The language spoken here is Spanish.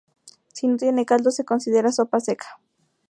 Si no tiene caldo se considera sopa seca.